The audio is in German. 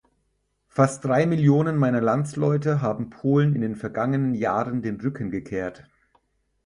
Fast drei Millionen meiner Landsleute haben Polen in den vergangenen Jahren den Rücken gekehrt.